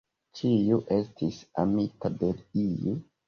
Ĉiu estis amita de iu.